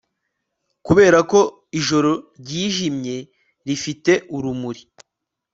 Kuberako ijoro ryijimye rifite urumuri